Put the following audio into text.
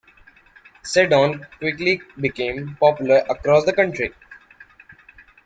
Seddon quickly became popular across the country.